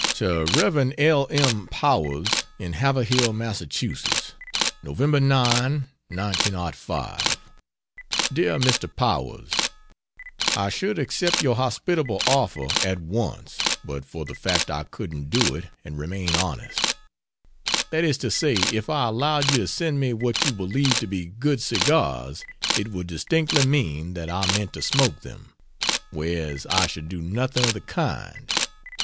To Rev. L. M. Powers, in Haverhill, Mass.: Nov. 9, 1905. DEAR MR. POWERS, I should accept your hospitable offer at once but for the fact I couldn't do it and remain honest. That is to say if I allowed you to send me what you believe to be good cigars it would distinctly mean that I meant to smoke them, whereas I should do nothing of the kind.